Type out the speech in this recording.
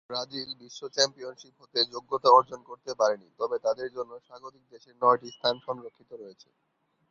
Brazil বিশ্ব championship হতে যোগ্যতা অর্জন করতে পারেনি তবে তাদের জন্য স্বাগতিক দেশের নয়টি স্থান সংরক্ষিত রয়েছে।